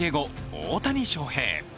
大谷翔平。